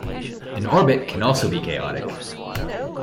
An orbit can also be chaotic.